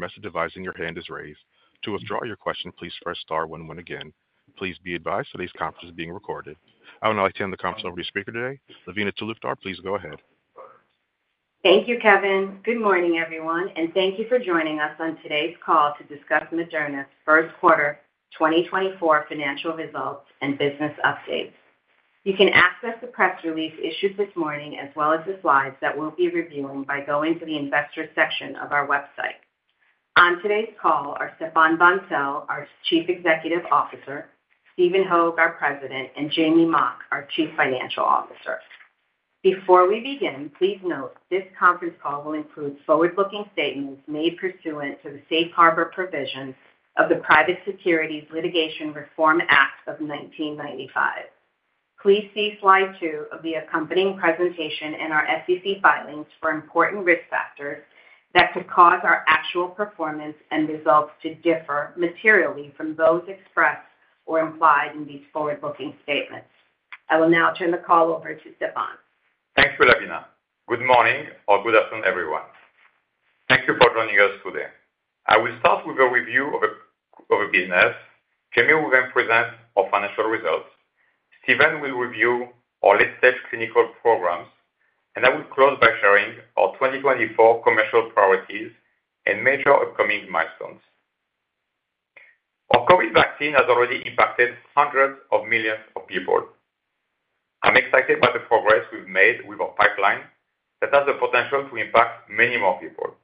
The message device in your hand is raised. To withdraw your question, please press star one one again. Please be advised today's conference is being recorded. I would now like to hand the conference over to speaker today, Lavina Talukdar. Please go ahead. Thank you, Kevin. Good morning, everyone, and thank you for joining us on today's call to discuss Moderna's first quarter 2024 financial results and business updates. You can access the press release issued this morning, as well as the slides that we'll be reviewing, by going to the Investors section of our website. On today's call are Stéphane Bancel, our Chief Executive Officer, Stephen Hoge, our President, and Jamey Mock, our Chief Financial Officer. Before we begin, please note, this conference call will include forward-looking statements made pursuant to the Safe Harbor Provisions of the Private Securities Litigation Reform Act of 1995. Please see slide 2 of the accompanying presentation in our SEC filings for important risk factors that could cause our actual performance and results to differ materially from those expressed or implied in these forward-looking statements. I will now turn the call over to Stéphane. Thanks, Lavina. Good morning or good afternoon, everyone. Thank you for joining us today. I will start with a review of a business. Jamey will then present our financial results. Stephen will review our latest clinical programs, and I will close by sharing our 2024 commercial priorities and major upcoming milestones. Our COVID vaccine has already impacted hundreds of millions of people. I'm excited by the progress we've made with our pipeline that has the potential to impact many more people.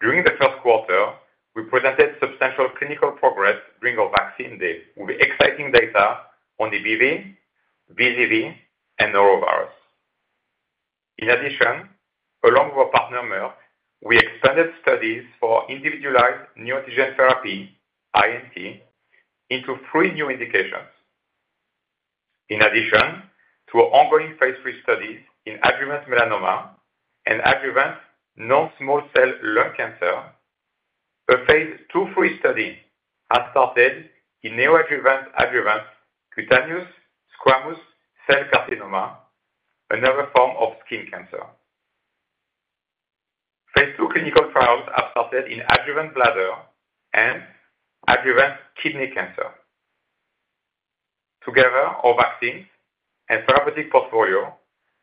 During the first quarter, we presented substantial clinical progress during our Vaccines Day with exciting data on EBV, VZV, and Norovirus. In addition, along with our partner, Merck, we expanded studies for individualized neoantigen therapy, INT, into three new indications. In addition to our ongoing phase III studies in adjuvant melanoma and adjuvant non-small cell lung cancer, a phase II/III study has started in neoadjuvant/adjuvant cutaneous squamous cell carcinoma, another form of skin cancer. Phase II clinical trials have started in adjuvant bladder and adjuvant kidney cancer. Together, our vaccines and therapeutic portfolio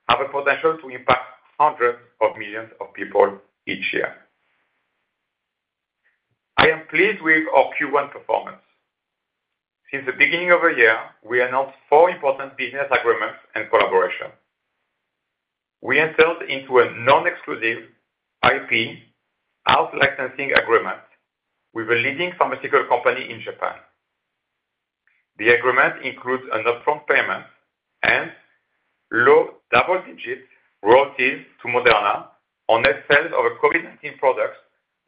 have a potential to impact hundreds of millions of people each year. I am pleased with our Q1 performance. Since the beginning of the year, we announced four important business agreements and collaboration. We entered into a non-exclusive IP out-licensing agreement with a leading pharmaceutical company in Japan. The agreement includes an upfront payment and low double-digit royalties to Moderna on net sales of COVID-19 products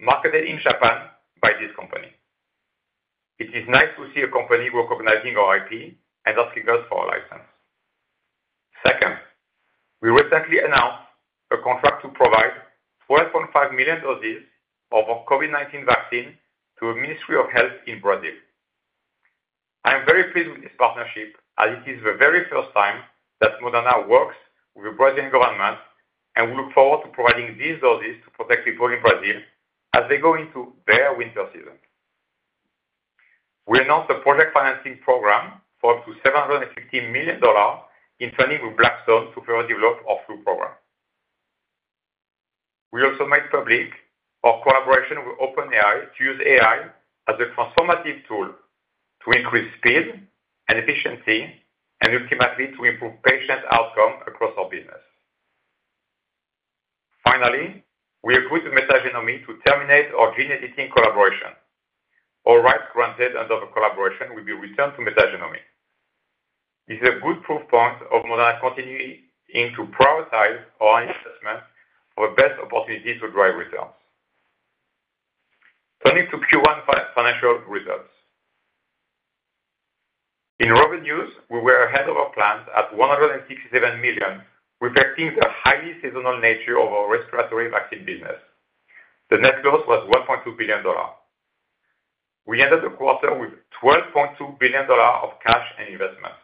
marketed in Japan by this company. It is nice to see a company recognizing our IP and asking us for a license. Second, we recently announced a contract to provide 12.5 million doses of our COVID-19 vaccine to a Ministry of Health in Brazil. I am very pleased with this partnership, as it is the very first time that Moderna works with the Brazilian government, and we look forward to providing these doses to protect people in Brazil as they go into their winter season. We announced a project financing program for up to $750 million in partnership with Blackstone to further develop our flu program. We also made public our collaboration with OpenAI to use AI as a transformative tool to increase speed and efficiency, and ultimately to improve patient outcome across our business. Finally, we agreed with Metagenomi to terminate our gene editing collaboration. All rights granted under the collaboration will be returned to Metagenomi. This is a good proof point of Moderna continuing to prioritize our investment for best opportunities to drive results. Turning to Q1 financial results. In revenues, we were ahead of our plans at $167 million, reflecting the highly seasonal nature of our respiratory vaccine business. The net growth was $1.2 billion. We ended the quarter with $12.2 billion of cash and investments.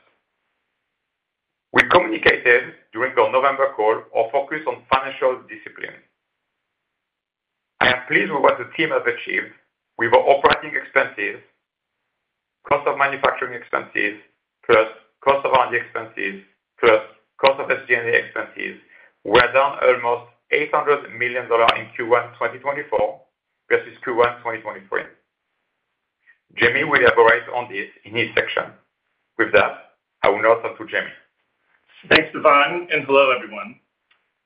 We communicated during the November call our focus on financial discipline. I am pleased with what the team have achieved. With our operating expenses, cost of manufacturing expenses, plus cost of R&D expenses, plus cost of SG&A expenses were down almost $800 million in Q1 2024 versus Q1 2023. Jamey will elaborate on this in his section. With that, I will now turn to Jamey. Thanks, Stéphane, and hello, everyone.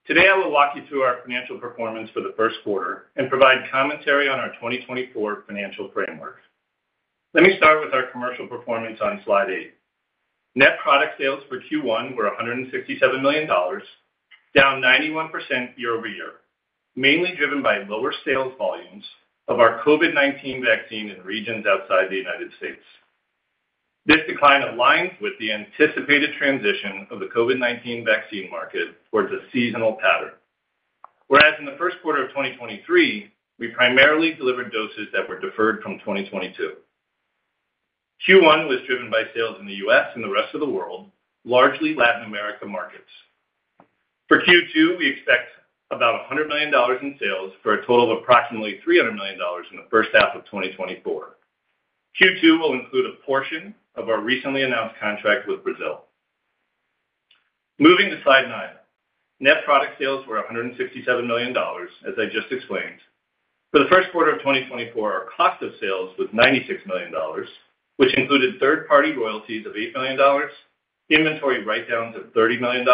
Today, I will walk you through our financial performance for the first quarter and provide commentary on our 2024 financial framework. Let me start with our commercial performance on slide 8. Net product sales for Q1 were $167 million, down 91% year-over-year, mainly driven by lower sales volumes of our COVID-19 vaccine in regions outside the United States. This decline aligns with the anticipated transition of the COVID-19 vaccine market towards a seasonal pattern. Whereas in the first quarter of 2023, we primarily delivered doses that were deferred from 2022.... Q1 was driven by sales in the U.S. and the rest of the world, largely Latin America markets. For Q2, we expect about $100 million in sales, for a total of approximately $300 million in the first half of 2024. Q2 will include a portion of our recently announced contract with Brazil. Moving to slide 9. Net product sales were $167 million, as I just explained. For the first quarter of 2024, our cost of sales was $96 million, which included third-party royalties of $8 million, inventory write-downs of $30 million,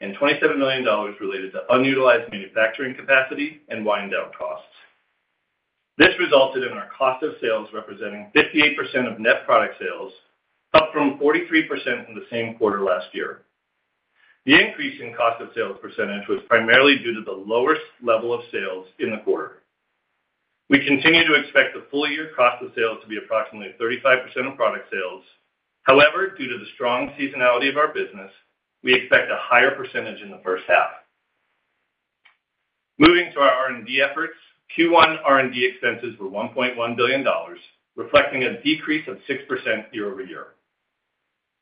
and $27 million related to unutilized manufacturing capacity and wind-down costs. This resulted in our cost of sales representing 58% of net product sales, up from 43% in the same quarter last year. The increase in cost of sales percentage was primarily due to the lower level of sales in the quarter. We continue to expect the full year cost of sales to be approximately 35% of product sales. However, due to the strong seasonality of our business, we expect a higher percentage in the first half. Moving to our R&D efforts, Q1 R&D expenses were $1.1 billion, reflecting a decrease of 6% year-over-year.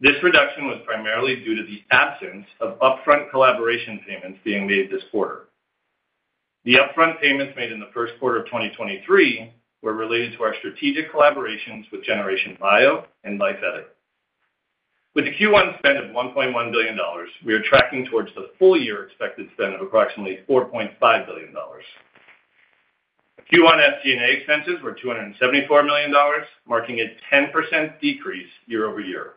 This reduction was primarily due to the absence of upfront collaboration payments being made this quarter. The upfront payments made in the first quarter of 2023 were related to our strategic collaborations with Generation Bio and Life Edit. With the Q1 spend of $1.1 billion, we are tracking towards the full year expected spend of approximately $4.5 billion. Q1 SG&A expenses were $274 million, marking a 10% decrease year-over-year.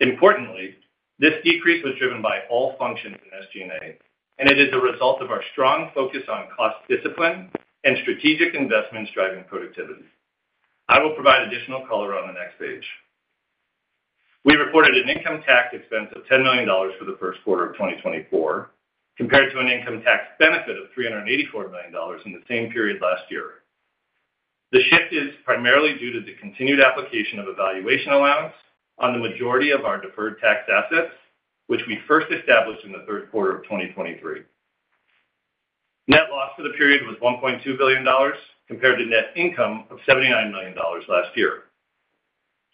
Importantly, this decrease was driven by all functions in SG&A, and it is a result of our strong focus on cost discipline and strategic investments driving productivity. I will provide additional color on the next page. We reported an income tax expense of $10 million for the first quarter of 2024, compared to an income tax benefit of $384 million in the same period last year. The shift is primarily due to the continued application of a valuation allowance on the majority of our deferred tax assets, which we first established in the third quarter of 2023. Net loss for the period was $1.2 billion, compared to net income of $79 million last year.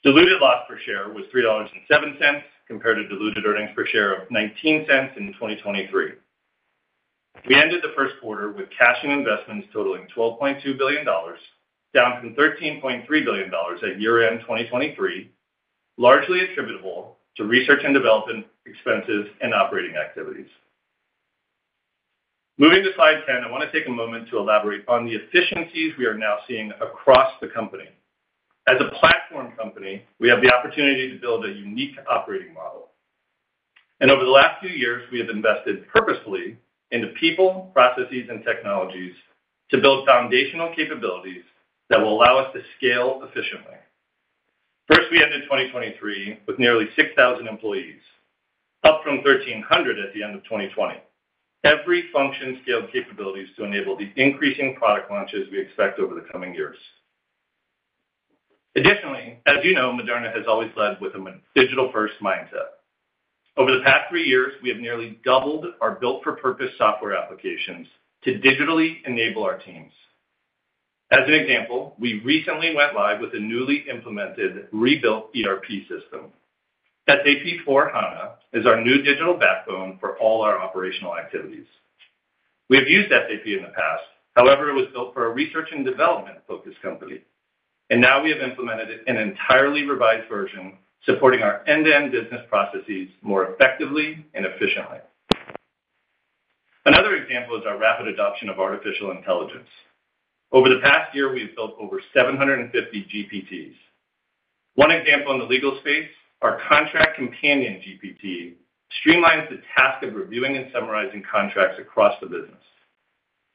Diluted loss per share was $3.07, compared to diluted earnings per share of $0.19 in 2023. We ended the first quarter with cash and investments totaling $12.2 billion, down from $13.3 billion at year-end 2023, largely attributable to research and development expenses and operating activities. Moving to slide 10, I want to take a moment to elaborate on the efficiencies we are now seeing across the company. As a platform company, we have the opportunity to build a unique operating model, and over the last few years, we have invested purposefully into people, processes, and technologies to build foundational capabilities that will allow us to scale efficiently. First, we ended 2023 with nearly 6,000 employees, up from 1,300 at the end of 2020. Every function scaled capabilities to enable the increasing product launches we expect over the coming years. Additionally, as you know, Moderna has always led with a digital-first mindset. Over the past three years, we have nearly doubled our built-for-purpose software applications to digitally enable our teams. As an example, we recently went live with a newly implemented, rebuilt ERP system. SAP S/4HANA is our new digital backbone for all our operational activities. We have used SAP in the past. However, it was built for a research and development-focused company, and now we have implemented an entirely revised version, supporting our end-to-end business processes more effectively and efficiently. Another example is our rapid adoption of artificial intelligence. Over the past year, we've built over 750 GPTs. One example in the legal space, our Contract Companion GPT, streamlines the task of reviewing and summarizing contracts across the business,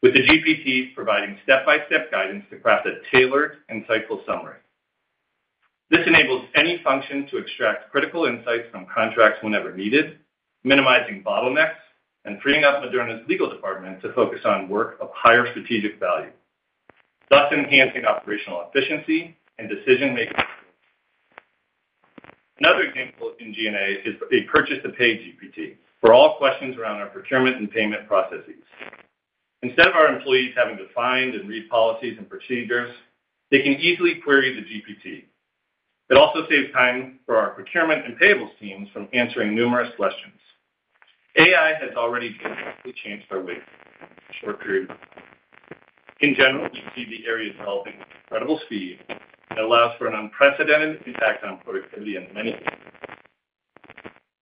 with the GPT providing step-by-step guidance to craft a tailored, insightful summary. This enables any function to extract critical insights from contracts whenever needed, minimizing bottlenecks and freeing up Moderna's legal department to focus on work of higher strategic value, thus enhancing operational efficiency and decision-making. Another example in G&A is a Purchase-to-Pay GPT for all questions around our procurement and payment processes. Instead of our employees having to find and read policies and procedures, they can easily query the GPT. It also saves time for our procurement and payables teams from answering numerous questions. AI has already basically changed our way in a short period. In general, we see the area developing with incredible speed that allows for an unprecedented impact on productivity in many ways.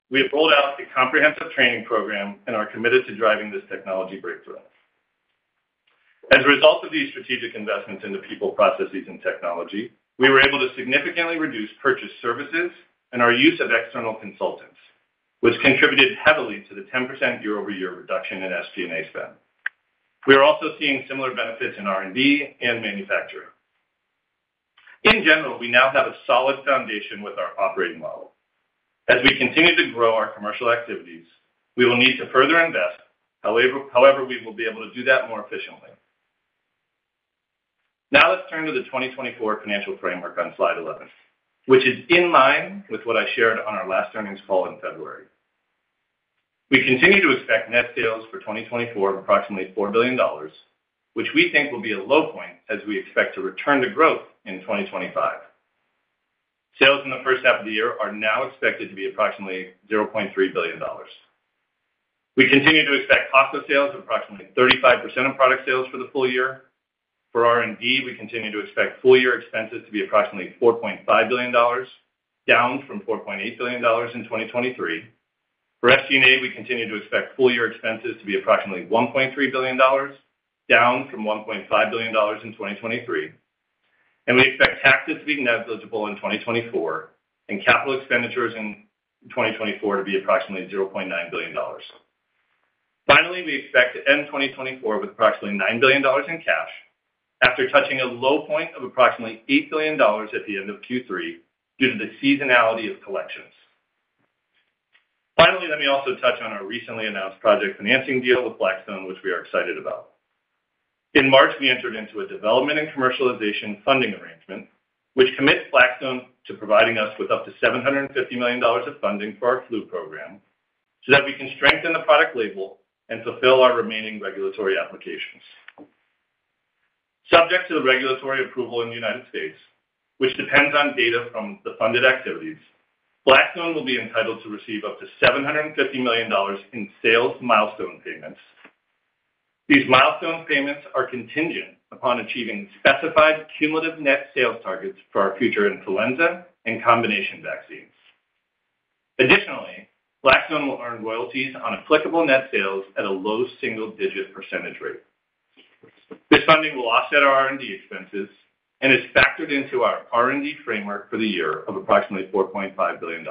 We have rolled out a comprehensive training program and are committed to driving this technology breakthrough. As a result of these strategic investments into people, processes, and technology, we were able to significantly reduce purchase services and our use of external consultants, which contributed heavily to the 10% year-over-year reduction in SG&A spend. We are also seeing similar benefits in R&D and manufacturing. In general, we now have a solid foundation with our operating model. As we continue to grow our commercial activities, we will need to further invest. However, we will be able to do that more efficiently. Now, let's turn to the 2024 financial framework on slide 11, which is in line with what I shared on our last earnings call in February.... We continue to expect net sales for 2024 of approximately $4 billion, which we think will be a low point as we expect to return to growth in 2025. Sales in the first half of the year are now expected to be approximately $0.3 billion. We continue to expect cost of sales of approximately 35% of product sales for the full year. For R&D, we continue to expect full year expenses to be approximately $4.5 billion, down from $4.8 billion in 2023. For SG&A, we continue to expect full year expenses to be approximately $1.3 billion, down from $1.5 billion in 2023. And we expect taxes to be negligible in 2024, and capital expenditures in 2024 to be approximately $0.9 billion. Finally, we expect to end 2024 with approximately $9 billion in cash, after touching a low point of approximately $8 billion at the end of Q3 due to the seasonality of collections. Finally, let me also touch on our recently announced project financing deal with Blackstone, which we are excited about. In March, we entered into a development and commercialization funding arrangement, which commits Blackstone to providing us with up to $750 million of funding for our flu program, so that we can strengthen the product label and fulfill our remaining regulatory applications. Subject to the regulatory approval in the United States, which depends on data from the funded activities, Blackstone will be entitled to receive up to $750 million in sales milestone payments. These milestone payments are contingent upon achieving specified cumulative net sales targets for our future influenza and combination vaccines. Additionally, Blackstone will earn royalties on applicable net sales at a low single-digit percentage rate. This funding will offset our R&D expenses and is factored into our R&D framework for the year of approximately $4.5 billion.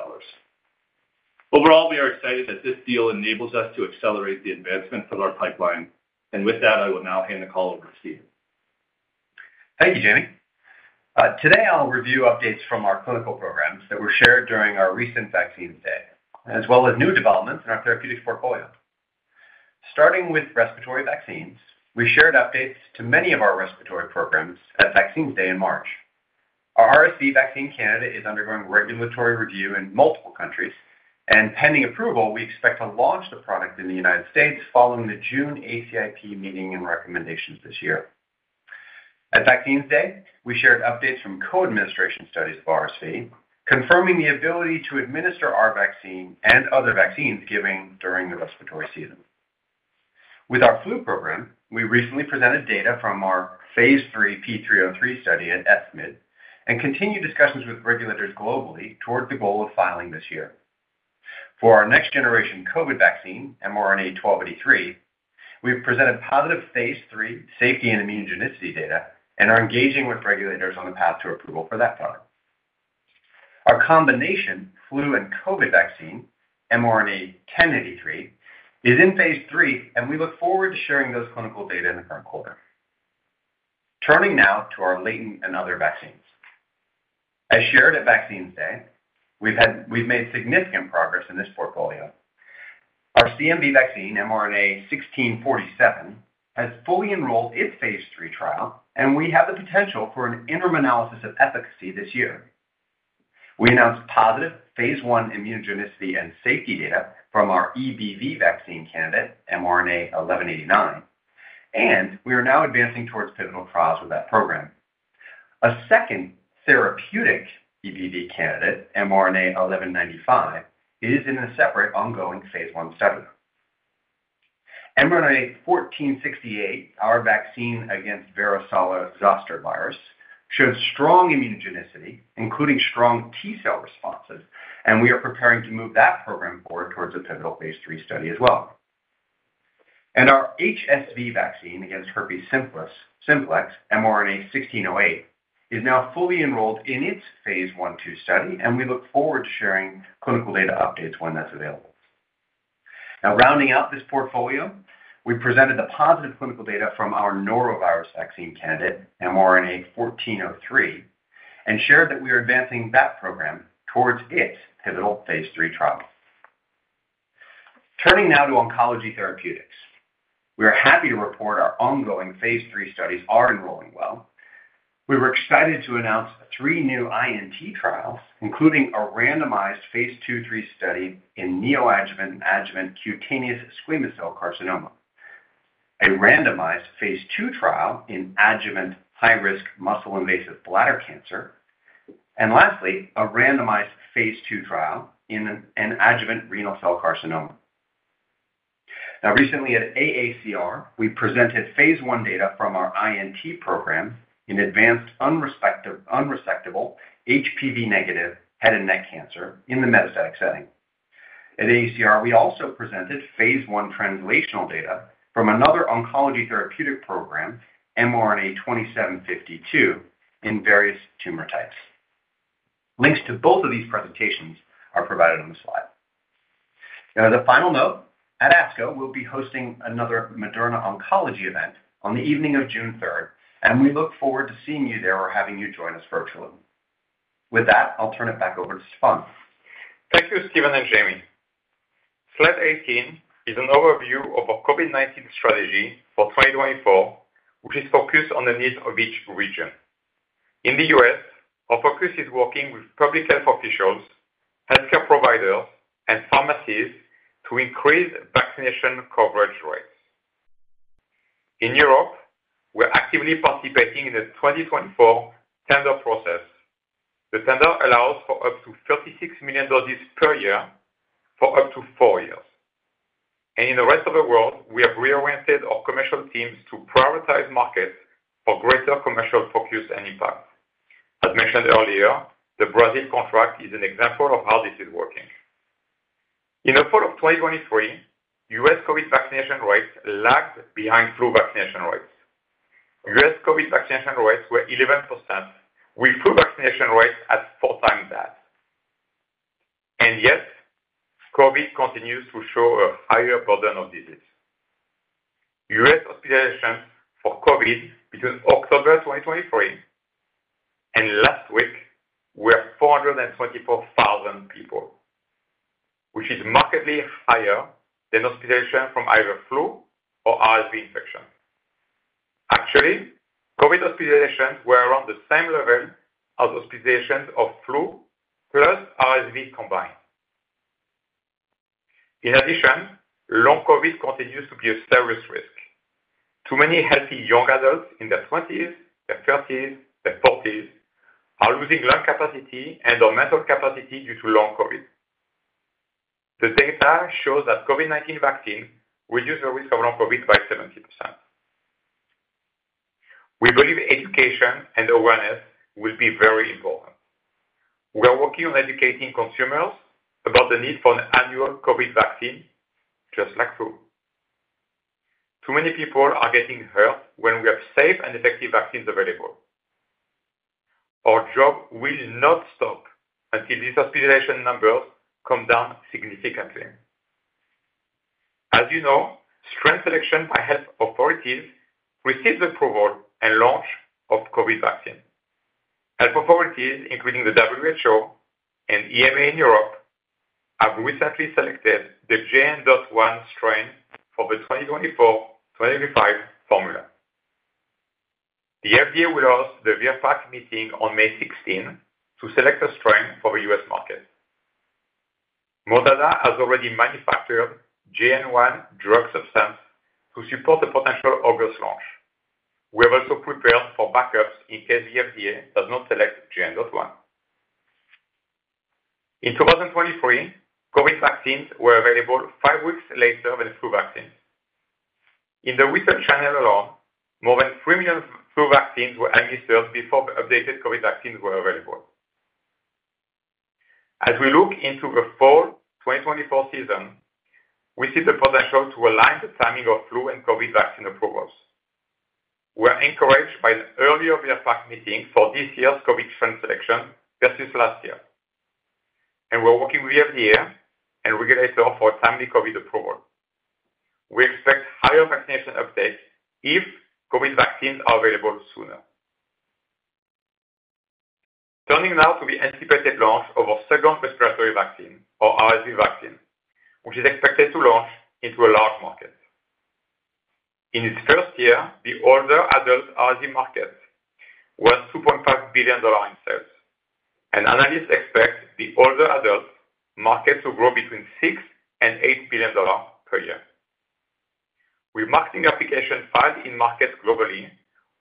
Overall, we are excited that this deal enables us to accelerate the advancement of our pipeline, and with that, I will now hand the call over to Steve. Thank you, Jamey. Today I'll review updates from our clinical programs that were shared during our recent Vaccines Day, as well as new developments in our therapeutics portfolio. Starting with respiratory vaccines, we shared updates to many of our respiratory programs at Vaccines Day in March. Our RSV vaccine candidate is undergoing regulatory review in multiple countries, and pending approval, we expect to launch the product in the United States following the June ACIP meeting and recommendations this year. At Vaccines Day, we shared updates from co-administration studies of RSV, confirming the ability to administer our vaccine and other vaccines given during the respiratory season. With our flu program, we recently presented data from our phase III P303 study at ECCMID, and continue discussions with regulators globally toward the goal of filing this year. For our next generation COVID vaccine, mRNA-1283, we've presented positive phase III safety and immunogenicity data and are engaging with regulators on the path to approval for that product. Our combination flu and COVID vaccine, mRNA-1083, is in phase III, and we look forward to sharing those clinical data in the current quarter. Turning now to our latent and other vaccines. As shared at Vaccines Day, we've made significant progress in this portfolio. Our CMV vaccine, mRNA-1647, has fully enrolled its phase III trial, and we have the potential for an interim analysis of efficacy this year. We announced positive phase I immunogenicity and safety data from our EBV vaccine candidate, mRNA-1189, and we are now advancing towards pivotal trials with that program. A second therapeutic EBV candidate, mRNA-1195, is in a separate ongoing phase I study. mRNA-1468, our vaccine against Varicella-Zoster virus, showed strong immunogenicity, including strong T cell responses, and we are preparing to move that program forward towards a pivotal phase III study as well. And our HSV vaccine against herpes simplex, mRNA-1608, is now fully enrolled in its phase I/II study, and we look forward to sharing clinical data updates when that's available. Now, rounding out this portfolio, we presented the positive clinical data from our norovirus vaccine candidate, mRNA-1403, and shared that we are advancing that program towards its pivotal phase III trial. Turning now to oncology therapeutics. We are happy to report our ongoing phase III studies are enrolling well. We were excited to announce three new INT trials, including a randomized phase II/III study in neoadjuvant and adjuvant cutaneous squamous cell carcinoma, a randomized phase II trial in adjuvant high-risk muscle-invasive bladder cancer, and lastly, a randomized phase II trial in an adjuvant renal cell carcinoma. Now, recently at AACR, we presented phase I data from our INT program in advanced unresectable, HPV negative head and neck cancer in the metastatic setting. At AACR, we also presented phase I translational data from another oncology therapeutic program, mRNA-2752, in various tumor types. Links to both of these presentations are provided on the slide. Now, as a final note, at ASCO, we'll be hosting another Moderna oncology event on the evening of June third, and we look forward to seeing you there or having you join us virtually. With that, I'll turn it back over to Stéphane. Thank you, Stephen and Jamey. Slide 18 is an overview of our COVID-19 strategy for 2024, which is focused on the needs of each region.... In the U.S., our focus is working with public health officials, healthcare providers, and pharmacies to increase vaccination coverage rates. In Europe, we're actively participating in the 2024 tender process. The tender allows for up to 36 million doses per year for up to 4 years. In the rest of the world, we have reoriented our commercial teams to prioritize markets for greater commercial focus and impact. As mentioned earlier, the Brazil contract is an example of how this is working. In the fall of 2023, U.S. COVID vaccination rates lagged behind flu vaccination rates. U.S. COVID vaccination rates were 11%, with flu vaccination rates at 4 times that. Yet, COVID continues to show a higher burden of disease. U.S. hospitalizations for COVID between October 2023 and last week were 424,000 people, which is markedly higher than hospitalization from either flu or RSV infection. Actually, COVID hospitalizations were around the same level as hospitalizations of flu, plus RSV combined. In addition, long COVID continues to be a serious risk. Too many healthy young adults in their twenties, their thirties, their forties, are losing lung capacity and/or mental capacity due to long COVID. The data shows that COVID-19 vaccine reduce the risk of long COVID by 70%. We believe education and awareness will be very important. We are working on educating consumers about the need for an annual COVID vaccine, just like flu. Too many people are getting hurt when we have safe and effective vaccines available. Our job will not stop until these hospitalization numbers come down significantly. As you know, strain selection by health authorities affects the approval and launch of COVID vaccine. Health authorities, including the WHO and EMA in Europe, have recently selected the JN.1 strain for the 2024-2025 formula. The FDA will host the VRBPAC meeting on May 16 to select a strain for the U.S. market. Moderna has already manufactured JN.1 drug substance to support the potential August launch. We have also prepared for backups in case the FDA does not select JN.1. In 2023, COVID vaccines were available five weeks later than flu vaccines. In the retail channel alone, more than 3 million flu vaccines were administered before the updated COVID vaccines were available. As we look into the fall 2024 season, we see the potential to align the timing of flu and COVID vaccine approvals. We are encouraged by the earlier VRBPAC meeting for this year's COVID strain selection versus last year, and we're working with the FDA and regulators for timely COVID approval. We expect higher vaccination updates if COVID vaccines are available sooner. Turning now to the anticipated launch of our second respiratory vaccine, our RSV vaccine, which is expected to launch into a large market. In its first year, the older adult RSV market was $2.5 billion in sales, and analysts expect the older adult market to grow between $6 billion and $8 billion per year. With marketing application filed in markets globally,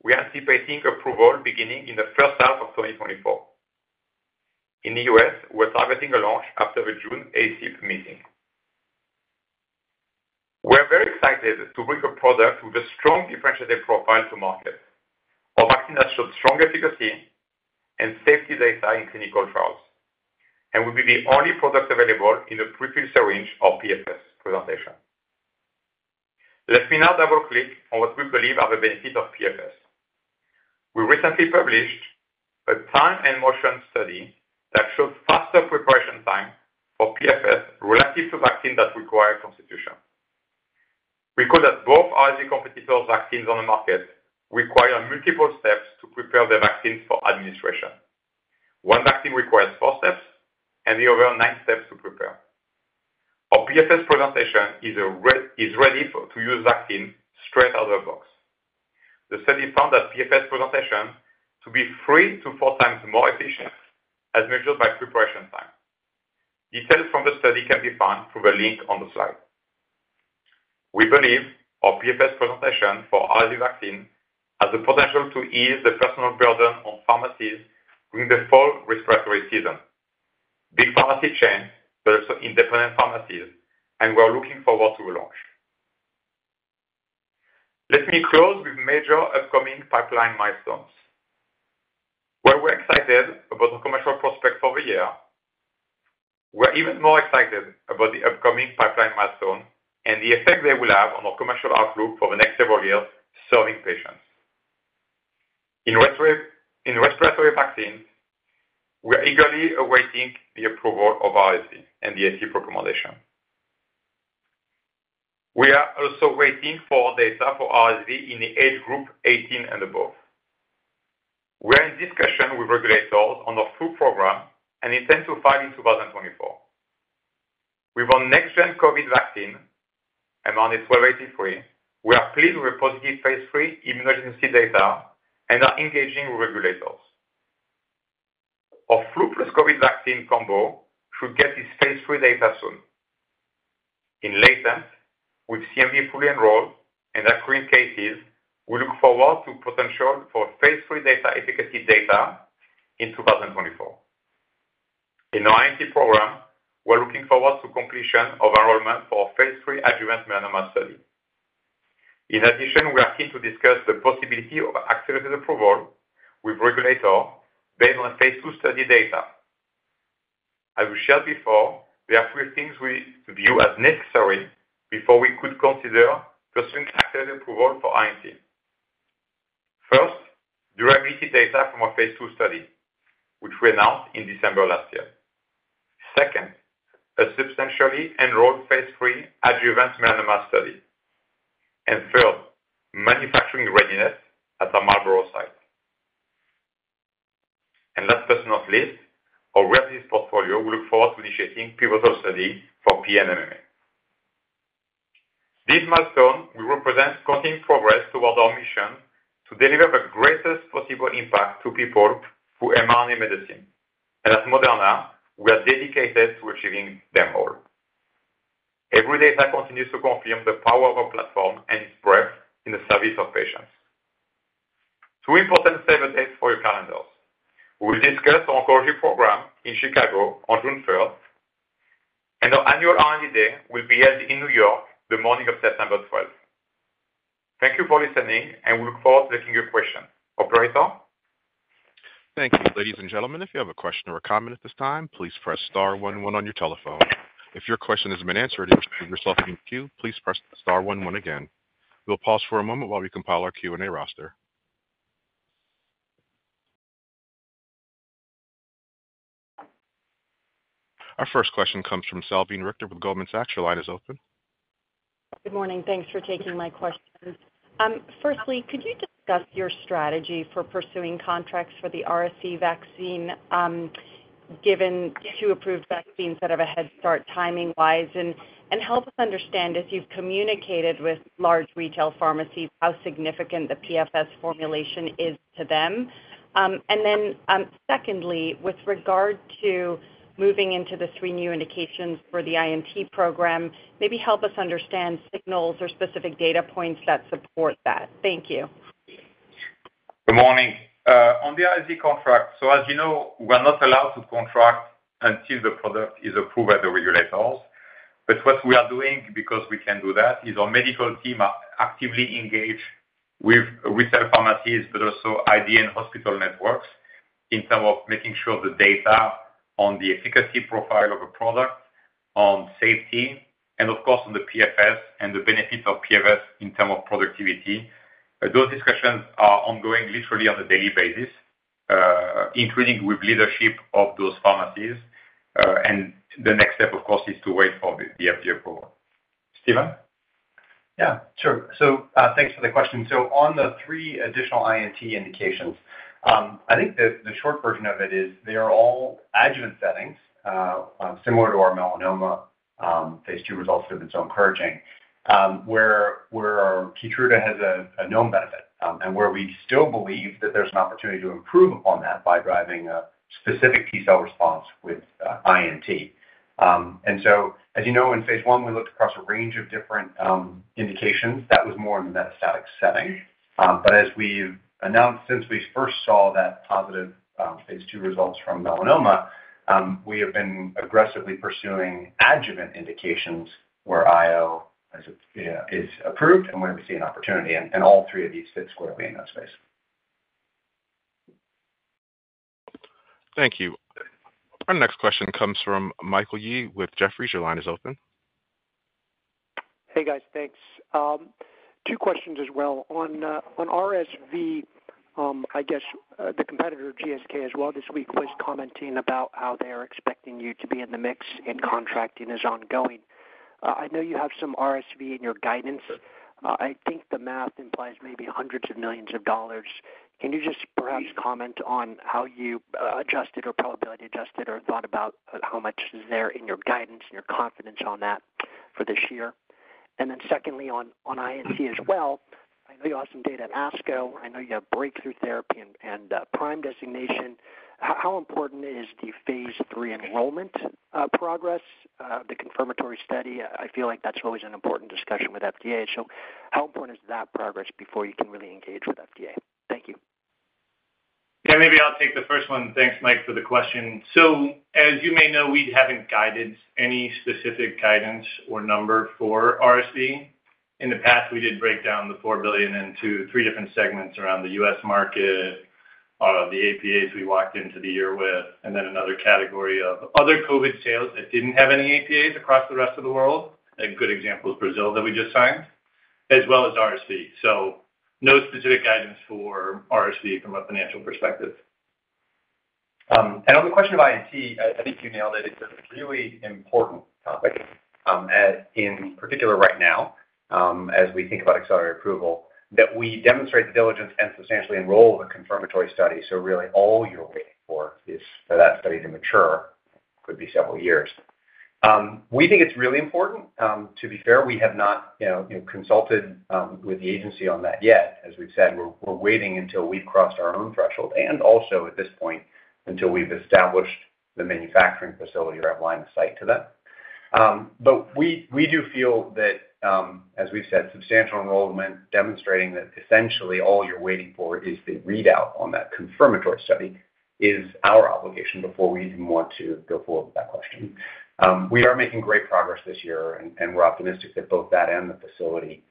we are anticipating approval beginning in the first half of 2024. In the U.S., we're targeting a launch after the June ACIP meeting. We are very excited to bring a product with a strong differentiated profile to market. Our vaccine has showed strong efficacy and safety data in clinical trials, and will be the only product available in the prefilled syringe of PFS presentation. Let me now double-click on what we believe are the benefit of PFS. We recently published a time and motion study that shows faster preparation time for PFS relative to vaccine that require constitution. We call that both RSV competitor vaccines on the market require multiple steps to prepare the vaccines for administration. One vaccine requires four steps, and the other, nine steps to prepare. Our PFS presentation is a ready-to-use vaccine straight out of the box. The study found that PFS presentation to be three to four times more efficient, as measured by preparation time. Details from the study can be found through the link on the slide. We believe our PFS presentation for RSV vaccine has the potential to ease the personal burden on pharmacies during the fall respiratory season. Big pharmacy chains, but also independent pharmacies, and we are looking forward to the launch. Let me close with major upcoming pipeline milestones. While we're excited about the commercial prospects for the year, we're even more excited about the upcoming pipeline milestone and the effect they will have on our commercial outlook for the next several years serving patients. In respiratory, in respiratory vaccines, we are eagerly awaiting the approval of RSV and the ACIP recommendation. We are also waiting for data for RSV in the age group 18 and above. We are in discussion with regulators on the flu program and intend to file in 2024. With our next gen COVID vaccine, mRNA-1283, we are pleased with positive phase III immunogenicity data and are engaging with regulators. Our flu plus COVID vaccine combo should get its phase III data soon. In latent, with CMV fully enrolled and accruing cases, we look forward to potential for phase III efficacy data in 2024. In our INT program, we're looking forward to completion of enrollment for our phase III adjuvant melanoma study. In addition, we are keen to discuss the possibility of accelerated approval with regulator based on phase II study data. As we shared before, there are three things we view as necessary before we could consider pursuing accelerated approval for INT. First, durability data from our phase II study, which we announced in December last year. Second, a substantially enrolled phase III adjuvant melanoma study. And third, manufacturing readiness at our Marlborough site. And last but not least, our rare disease portfolio, we look forward to initiating pivotal study for PA and MMA. This milestone will represent continued progress towards our mission to deliver the greatest possible impact to people through mRNA medicine. And at Moderna, we are dedicated to achieving them all. Every data continues to confirm the power of our platform and its breadth in the service of patients. Two important save-the-dates for your calendars. We'll discuss our oncology program in Chicago on June 3rd, and our annual R&D Day will be held in New York the morning of September twelfth. Thank you for listening, and we look forward to taking your question. Operator? Thank you, ladies and gentlemen. If you have a question or a comment at this time, please press star one one on your telephone. If your question has been answered or if you're in queue, please press star one one again. We'll pause for a moment while we compile our Q&A roster. Our first question comes from Salveen Richter with Goldman Sachs. Your line is open. Good morning. Thanks for taking my questions. Firstly, could you discuss your strategy for pursuing contracts for the RSV vaccine, given two approved vaccines that have a head start timing-wise? And help us understand, if you've communicated with large retail pharmacies, how significant the PFS formulation is to them. And then, secondly, with regard to moving into the three new indications for the INT program, maybe help us understand signals or specific data points that support that. Thank you. Good morning. On the RSV contract, so as you know, we're not allowed to contract until the product is approved by the regulators. But what we are doing, because we can do that, is our medical team are actively engaged with retail pharmacies, but also ID and hospital networks, in terms of making sure the data on the efficacy profile of a product, on safety, and of course, on the PFS and the benefits of PFS in terms of productivity. Those discussions are ongoing literally on a daily basis, including with leadership of those pharmacies. And the next step, of course, is to wait for the FDA approval. Stephen? Yeah, sure. Thanks for the question. On the 3 additional INT indications, I think the short version of it is they are all adjuvant settings, similar to our melanoma phase II results have been so encouraging, where our Keytruda has a known benefit, and where we still believe that there's an opportunity to improve upon that by driving a specific T-cell response with INT. As you know, in phase I, we looked across a range of different indications. That was more in the metastatic setting. But as we've announced, since we first saw that positive phase II results from melanoma, we have been aggressively pursuing adjuvant indications where IO, as it is approved and where we see an opportunity, and all three of these fit squarely in that space. Thank you. Our next question comes from Michael Yee with Jefferies. Your line is open. Hey, guys, thanks. Two questions as well. On RSV, I guess, the competitor, GSK as well, this week was commenting about how they are expecting you to be in the mix, and contracting is ongoing. I know you have some RSV in your guidance. I think the math implies maybe $hundreds of millions. Can you just perhaps comment on how you adjusted or probability adjusted or thought about how much is there in your guidance and your confidence on that for this year? And then secondly, on INT as well, I know you have some data at ASCO. I know you have breakthrough therapy and prime designation. How important is the phase III enrollment progress, the confirmatory study? I feel like that's always an important discussion with FDA. How important is that progress before you can really engage with FDA? Thank you. Yeah, maybe I'll take the first one. Thanks, Mike, for the question. So as you may know, we haven't guided any specific guidance or number for RSV. In the past, we did break down the $4 billion into three different segments around the U.S. market, the APAs we walked into the year with, and then another category of other COVID sales that didn't have any APAs across the rest of the world, a good example is Brazil that we just signed, as well as RSV. So no specific guidance for RSV from a financial perspective. And on the question of INT, I think you nailed it. It's a really important topic, as in particular right now, as we think about accelerated approval, that we demonstrate the diligence and substantially enroll the confirmatory study. So really all you're waiting for is for that study to mature, could be several years. We think it's really important. To be fair, we have not, you know, consulted with the agency on that yet. As we've said, we're waiting until we've crossed our own threshold, and also at this point, until we've established the manufacturing facility or outlined the site to them. But we do feel that, as we've said, substantial enrollment, demonstrating that essentially all you're waiting for is the readout on that confirmatory study, is our obligation before we even want to go forward with that question. We are making great progress this year, and we're optimistic that both that and the facility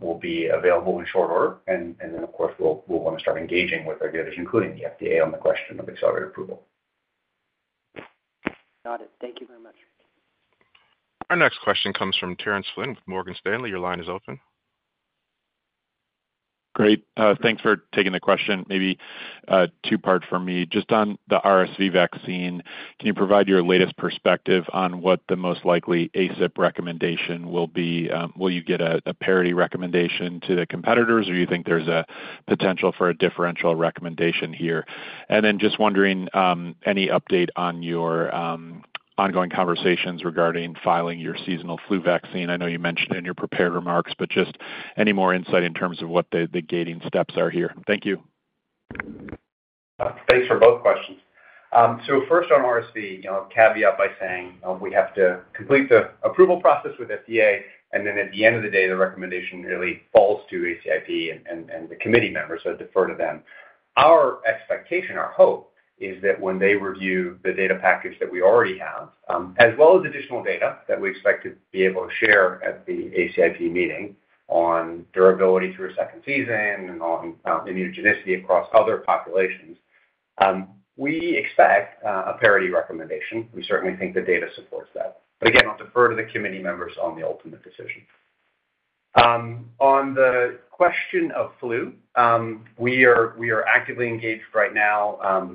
will be available in short order. Then, of course, we'll want to start engaging with our peers, including the FDA, on the question of accelerated approval. Got it. Thank you very much. Our next question comes from Terence Flynn with Morgan Stanley. Your line is open. Great. Thanks for taking the question. Maybe, two-part from me. Just on the RSV vaccine, can you provide your latest perspective on what the most likely ACIP recommendation will be? Will you get a, a parity recommendation to the competitors, or you think there's a potential for a differential recommendation here? And then just wondering, any update on your, ongoing conversations regarding filing your seasonal flu vaccine? I know you mentioned in your prepared remarks, but just any more insight in terms of what the, the gating steps are here? Thank you. Thanks for both questions. So first on RSV, you know, starting by saying, we have to complete the approval process with FDA, and then at the end of the day, the recommendation really falls to ACIP and the committee members, so I defer to them. Our expectation, our hope, is that when they review the data package that we already have, as well as additional data that we expect to be able to share at the ACIP meeting on durability through a second season and on immunogenicity across other populations, we expect a parity recommendation. We certainly think the data supports that. But again, I'll defer to the committee members on the ultimate decision. On the question of flu, we are actively engaged right now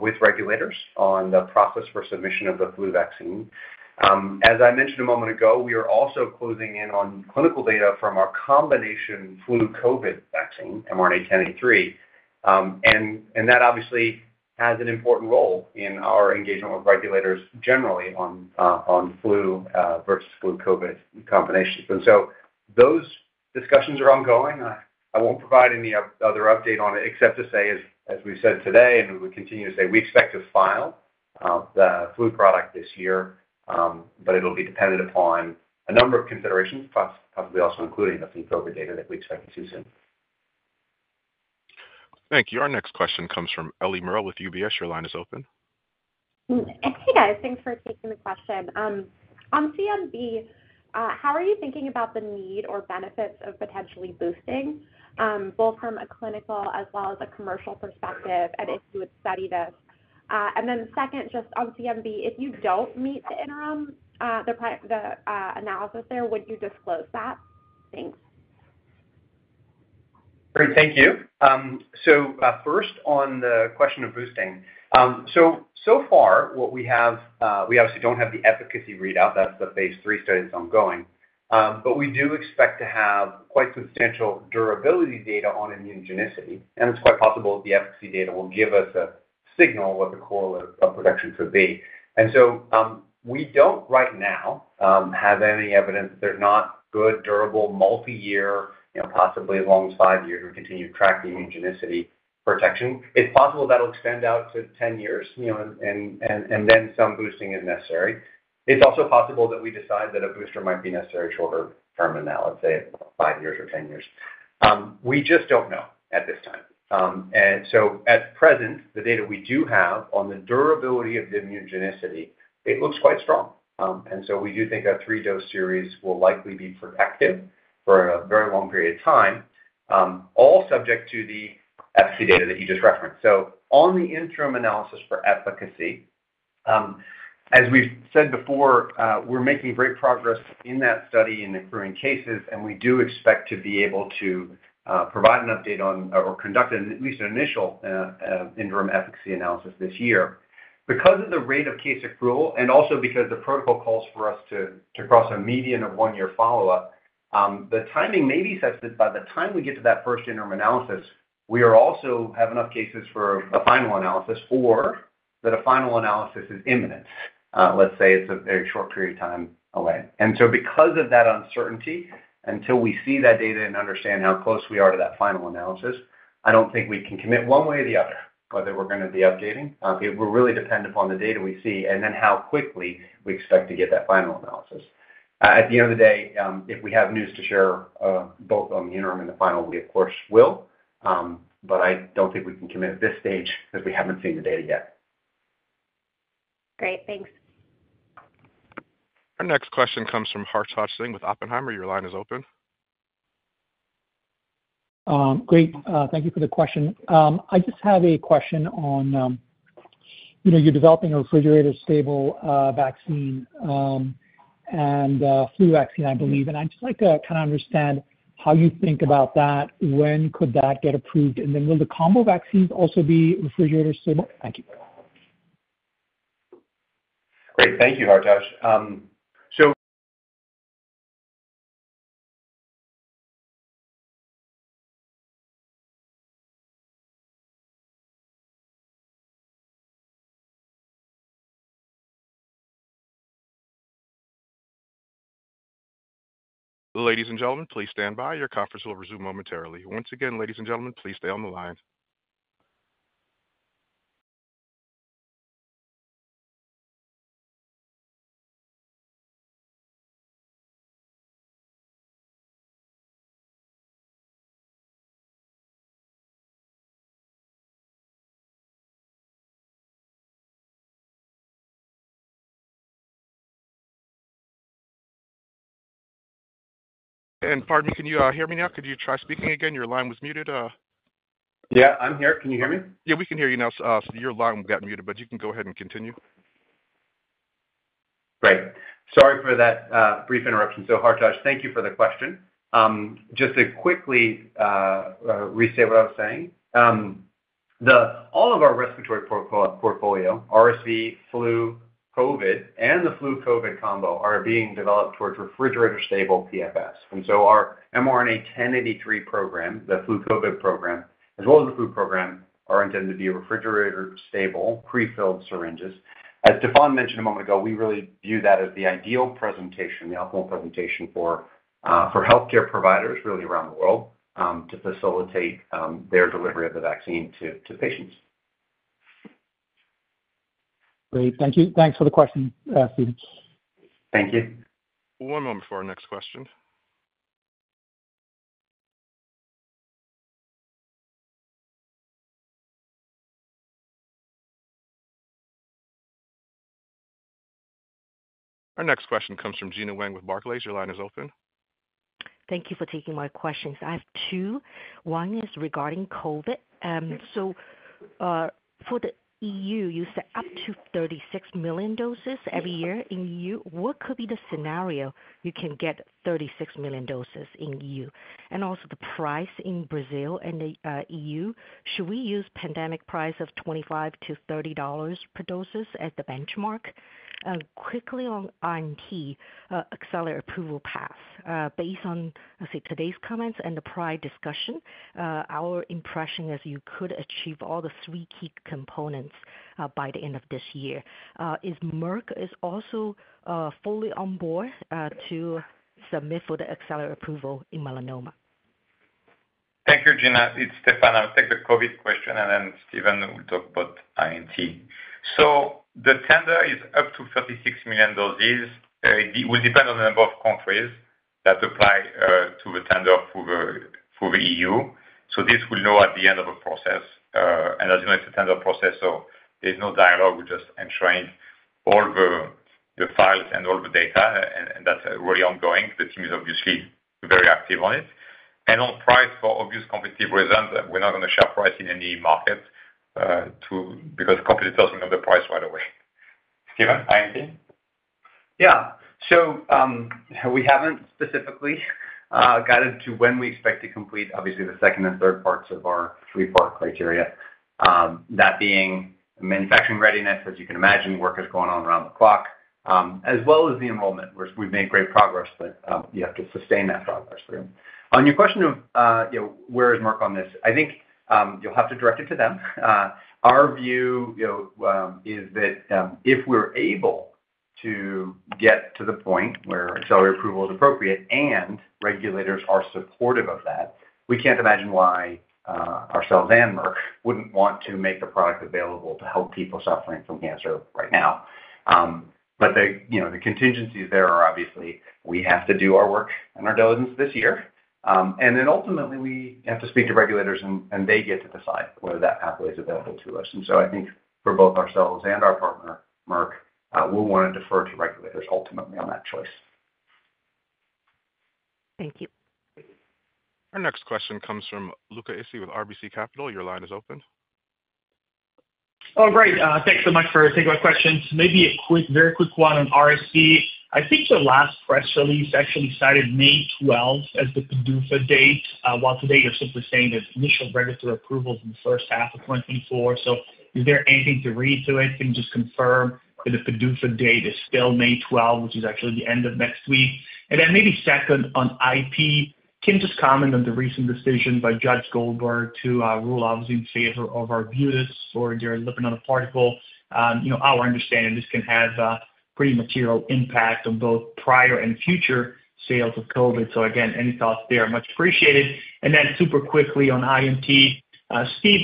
with regulators on the process for submission of the flu vaccine. As I mentioned a moment ago, we are also closing in on clinical data from our combination flu COVID vaccine, mRNA-1083, and that obviously has an important role in our engagement with regulators generally on flu versus flu COVID combinations. And so those discussions are ongoing. I won't provide any other update on it except to say, as we've said today, and we would continue to say, we expect to file the flu product this year, but it'll be dependent upon a number of considerations, plus possibly also including the flu COVID data that we expect to see soon. Thank you. Our next question comes from Eliana Merle with UBS. Your line is open. Hey, guys. Thanks for taking the question. On CMV, how are you thinking about the need or benefits of potentially boosting, both from a clinical as well as a commercial perspective, and if you would study this? And then second, just on CMV, if you don't meet the interim primary analysis there, would you disclose that? Thanks. Great. Thank you. So, first, on the question of boosting. So, so far, what we have, we obviously don't have the efficacy readout. That's the phase III study that's ongoing. But we do expect to have quite substantial durability data on immunogenicity, and it's quite possible the efficacy data will give us a signal what the correlate of protection should be. And so, we don't right now, have any evidence that they're not good, durable, multi-year, you know, possibly as long as five years, we continue to track the immunogenicity protection. It's possible that'll extend out to 10 years, you know, and then some boosting is necessary. It's also possible that we decide that a booster might be necessary shorter term than that, let's say five years or 10 years. We just don't know at this time. And so at present, the data we do have on the durability of the immunogenicity, it looks quite strong. And so we do think a three-dose series will likely be protective for a very long period of time, all subject to the efficacy data that you just referenced. So on the interim analysis for efficacy, as we've said before, we're making great progress in that study in accruing cases, and we do expect to be able to provide an update on or conduct at least an initial interim efficacy analysis this year. Because of the rate of case accrual and also because the protocol calls for us to cross a median of one-year follow-up, the timing may be such that by the time we get to that first interim analysis, we are also have enough cases for a final analysis or that a final analysis is imminent, let's say it's a very short period of time away. And so because of that uncertainty, until we see that data and understand how close we are to that final analysis, I don't think we can commit one way or the other, whether we're going to be updating. It will really depend upon the data we see and then how quickly we expect to get that final analysis. At the end of the day, if we have news to share, both on the interim and the final, we of course will, but I don't think we can commit at this stage because we haven't seen the data yet. Great. Thanks. Our next question comes from Hartaj Singh with Oppenheimer. Your line is open. Great. Thank you for the question. I just have a question on, you know, you're developing a refrigerator-stable vaccine and a flu vaccine, I believe, and I'd just like to kind of understand how you think about that, when could that get approved, and then will the combo vaccines also be refrigerator stable? Thank you. Great. Thank you, Hartaj. So- Ladies and gentlemen, please stand by. Your conference will resume momentarily. Once again, ladies and gentlemen, please stay on the line. And pardon me, can you hear me now? Could you try speaking again? Your line was muted. Yeah, I'm here. Can you hear me? Yeah, we can hear you now. So, your line got muted, but you can go ahead and continue. Great. Sorry for that brief interruption. Hartaj, thank you for the question. Just to quickly restate what I was saying. All of our respiratory portfolio, RSV, flu, COVID, and the flu-COVID combo, are being developed towards refrigerator stable PFS. And so our mRNA-1083 program, the flu-COVID program, as well as the flu program, are intended to be a refrigerator-stable, prefilled syringes. As Stéphane mentioned a moment ago, we really view that as the ideal presentation, the optimal presentation for healthcare providers, really, around the world, to facilitate their delivery of the vaccine to patients. Great. Thank you. Thanks for the question, Stephen. Thank you. One moment before our next question. Our next question comes from Gena Wang with Barclays. Your line is open. Thank you for taking my questions. I have two. One is regarding COVID. So, for the EU, you said up to 36 million doses every year in EU. What could be the scenario you can get 36 million doses in EU? And also the price in Brazil and the, EU, should we use pandemic price of $25-$30 per doses as the benchmark? Quickly on INT, accelerated approval path. Based on, let's say, today's comments and the prior discussion, our impression is you could achieve all the three key components, by the end of this year. Is Merck is also, fully on board, to submit for the accelerated approval in melanoma? Thank you, Gena. It's Stéphane. I'll take the COVID question, and then Stephen will talk about INT. So the tender is up to 36 million doses. It will depend on the number of countries that apply to the tender for the EU. So this we'll know at the end of the process, and as you know, it's a tender process, so there's no dialogue. We're just ensuring all the files and all the data, and that's really ongoing. The team is obviously very active on it. And on price, for obvious competitive reasons, we're not going to share price in any market, to... Because competitor doesn't know the price right away. Stephen, INT? Yeah. So, we haven't specifically guided to when we expect to complete, obviously, the second and third parts of our three-part criteria. That being manufacturing readiness, as you can imagine, work is going on around the clock, as well as the enrollment, which we've made great progress, but, you have to sustain that progress. On your question of, you know, where is Merck on this? I think, you'll have to direct it to them. Our view, you know, is that, if we're able to get to the point where accelerated approval is appropriate and regulators are supportive of that, we can't imagine why, ourselves and Merck wouldn't want to make the product available to help people suffering from cancer right now. But the, you know, the contingencies there are obviously we have to do our work and our diligence this year. And then ultimately, we have to speak to regulators, and, and they get to decide whether that pathway is available to us. And so I think for both ourselves and our partner, Merck, we'll want to defer to regulators ultimately on that choice. Thank you. Our next question comes from Luca Issi with RBC Capital. Your line is open. Oh, great. Thanks so much for taking my questions. Maybe a quick, very quick one on RSV. I think your last press release actually cited May 12 as the PDUFA date, while today you're simply saying that initial regulatory approvals in the first half of 2024. So is there anything to read into it? Can you just confirm that the PDUFA date is still May 12, which is actually the end of next week? And then maybe second, on IP, can you just comment on the recent decision by Judge Goldberg to rule, obviously, in favor of Arbutus for their LNP article? You know, our understanding, this can have a pretty material impact on both prior and future sales of COVID. So again, any thoughts there are much appreciated. Then super quickly on INT, Steve,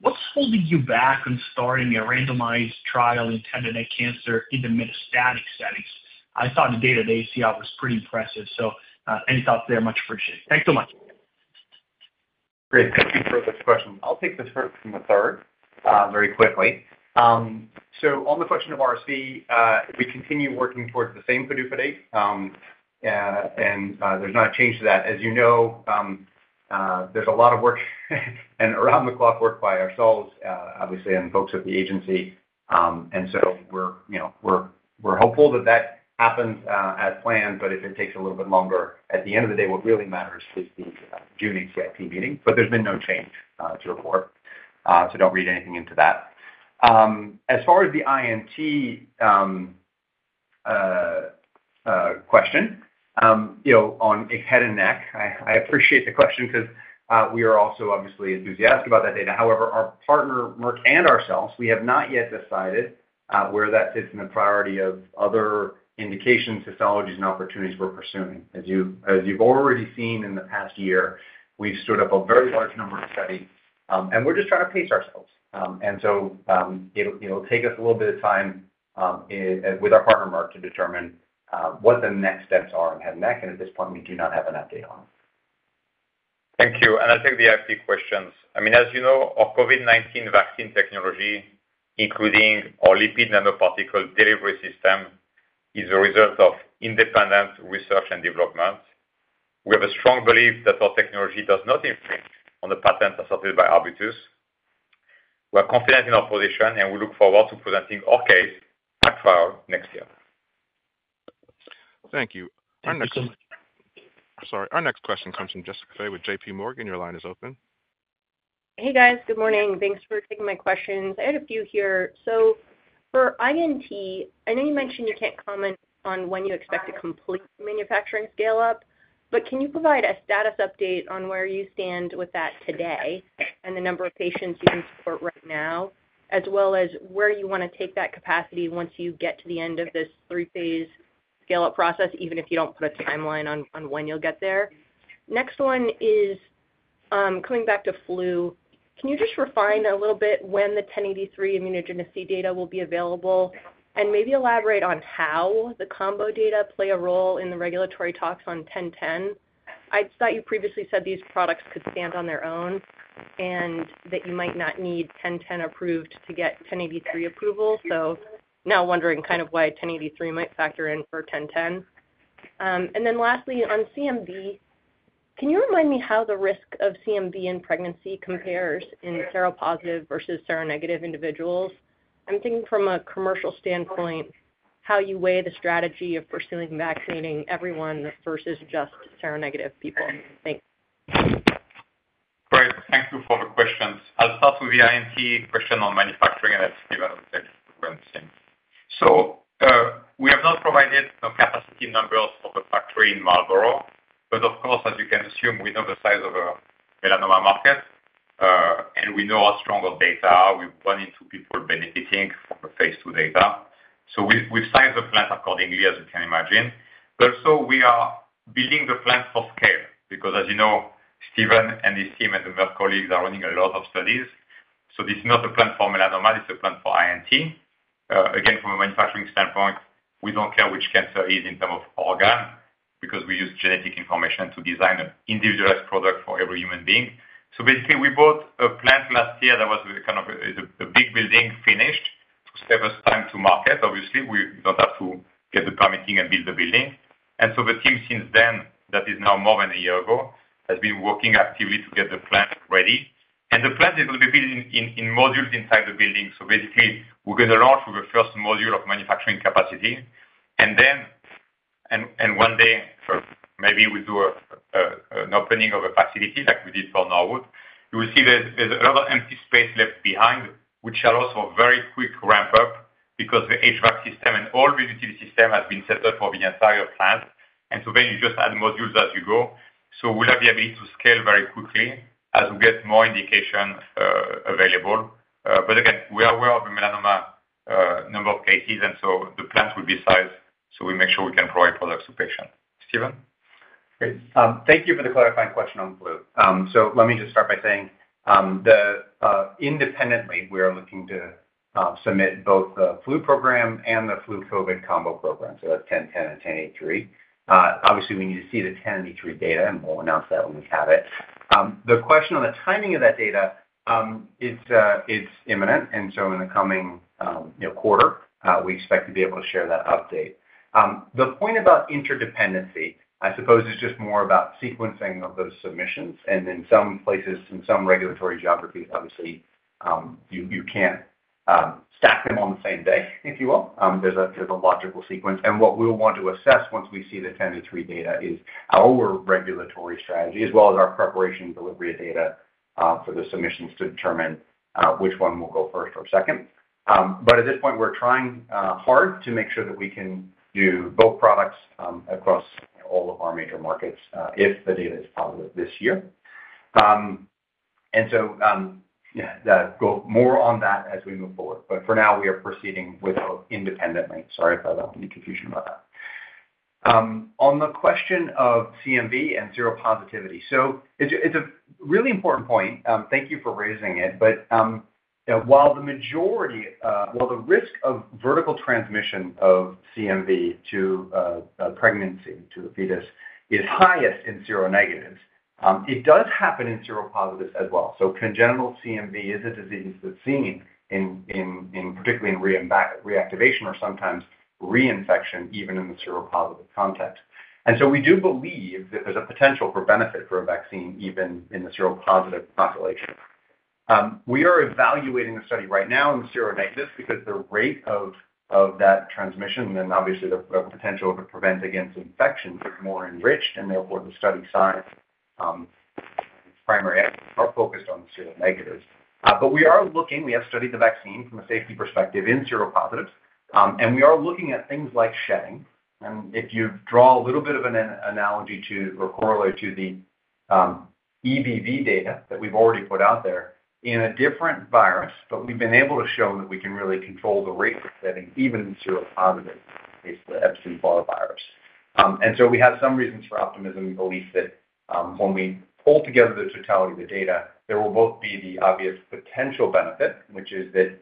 what's holding you back on starting a randomized trial in head and neck cancer in the metastatic settings? I thought the data they see out was pretty impressive. So, any thoughts there are much appreciated. Thanks so much. Great, thank you for this question. I'll take the first and the third very quickly. So on the question of RSV, we continue working towards the same PDUFA date. And there's not a change to that. As you know, there's a lot of work, and around-the-clock work by ourselves, obviously, and folks at the agency. And so we're, you know, hopeful that that happens as planned, but if it takes a little bit longer, at the end of the day, what really matters is the June ACIP meeting, but there's been no change to report, so don't read anything into that. As far as the INT question, you know, on head and neck. I appreciate the question because we are also obviously enthusiastic about that data. However, our partner, Merck, and ourselves, we have not yet decided where that sits in the priority of other indications, pathologies, and opportunities we're pursuing. As you've already seen in the past year, we've stood up a very large number of studies, and we're just trying to pace ourselves. And so, it'll, you know, take us a little bit of time with our partner, Merck, to determine what the next steps are in head and neck, and at this point, we do not have an update on it. Thank you. I'll take the IP questions. I mean, as you know, our COVID-19 vaccine technology, including our lipid nanoparticle delivery system, is a result of independent research and development. We have a strong belief that our technology does not infringe on the patents asserted by Arbutus. We're confident in our position, and we look forward to presenting our case at trial next year. Thank you. Our next- Thank you. Sorry. Our next question comes from Jessica Fye with J.P. Morgan. Your line is open. Hey, guys, good morning. Thanks for taking my questions. I had a few here. So for INT, I know you mentioned you can't comment on when you expect a complete manufacturing scale-up, but can you provide a status update on where you stand with that today and the number of patients you can support right now? As well as where you want to take that capacity once you get to the end of this 3-phase scale-up process, even if you don't put a timeline on, on when you'll get there. Next one is, coming back to flu. Can you just refine a little bit when the 1083 immunogenicity data will be available, and maybe elaborate on how the combo data play a role in the regulatory talks on 1010? I thought you previously said these products could stand on their own, and that you might not need 1010 approved to get 1083 approval. So now wondering kind of why 1083 might factor in for 1010. And then lastly, on CMV, can you remind me how the risk of CMV in pregnancy compares in seropositive versus seronegative individuals? I'm thinking from a commercial standpoint, how you weigh the strategy of pursuing vaccinating everyone versus just seronegative people. Thanks. Great. Thank you for the questions. I'll start with the INT question on manufacturing, and then Stephen will take the rest. So, we have not provided the capacity numbers for the factory in Marlborough, but of course, as you can assume, we know the size of our melanoma market, and we know how strong our data are. We've wanted people benefiting from the phase II data. So we've, we've sized the plant accordingly, as you can imagine. But also, we are building the plant for scale, because as you know, Stephen and his team and their colleagues are running a lot of studies. So this is not a plant for melanoma, it's a plant for INT. Again, from a manufacturing standpoint, we don't care which cancer it is in term of organ, because we use genetic information to design an individualized product for every human being. So basically, we bought a plant last year that was kind of a big building, finished, to save us time to market. Obviously, we don't have to get the permitting and build the building. And so the team since then, that is now more than a year ago, has been working actively to get the plant ready. And the plant is going to be built in modules inside the building. So basically, we're going to launch with the first module of manufacturing capacity, and then one day, for maybe we do an opening of a facility like we did for Norwood. You will see there's a lot of empty space left behind, which allows for very quick ramp up because the HVAC system and all the utility system has been set up for the entire plant. And so then you just add modules as you go. So we'll have the ability to scale very quickly as we get more indications, available. But again, we are aware of the melanoma, number of cases, and so the plants will be sized, so we make sure we can provide products to patients. Stephen? Great. Thank you for the clarifying question on flu. So let me just start by saying, independently, we are looking to submit both the flu program and the flu COVID combo program, so that's 1010 and 1083. Obviously, we need to see the 1083 data, and we'll announce that when we have it. The question on the timing of that data, it's imminent, and so in the coming, you know, quarter, we expect to be able to share that update. The point about interdependency, I suppose, is just more about sequencing of those submissions, and in some places, in some regulatory geographies, obviously, you can't stack them on the same day, if you will. There's a logical sequence. What we'll want to assess once we see the 1083 data is our regulatory strategy, as well as our preparation and delivery of data for the submissions to determine which one will go first or second. But at this point, we're trying hard to make sure that we can do both products across all of our major markets if the data is positive this year. And so, yeah, go more on that as we move forward, but for now, we are proceeding with both independently. Sorry about any confusion about that. On the question of CMV and seropositivity. So it's a really important point. Thank you for raising it, but while the risk of vertical transmission of CMV to a pregnancy, to a fetus, is highest in seronegatives, it does happen in seropositives as well. So congenital CMV is a disease that's seen particularly in reactivation or sometimes reinfection, even in the seropositive context. So we do believe that there's a potential for benefit for a vaccine even in the seropositive population. We are evaluating a study right now in seronegative, because the rate of that transmission and obviously the potential to prevent against infection is more enriched, and therefore the study size primarily are focused on the seronegatives. But we are looking, we have studied the vaccine from a safety perspective in seropositives, and we are looking at things like shedding. If you draw a little bit of an analogy to, or correlate to the EBV data that we've already put out there in a different virus, but we've been able to show that we can really control the rates of shedding, even in seropositive, basically, Epstein-Barr virus. And so we have some reasons for optimism. We believe that, when we pull together the totality of the data, there will both be the obvious potential benefit, which is that